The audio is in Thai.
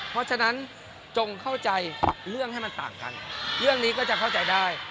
เพราะฉะนั้นจงเข้าใจเรื่องให้มันต่างกันเรื่องนี้ก็จะเข้าใจได้